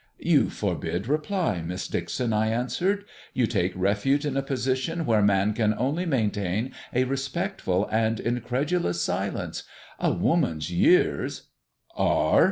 "You forbid reply, Miss Dixon," I answered. "You take refuge in a position where man can only maintain a respectful and incredulous silence. A woman's years "" are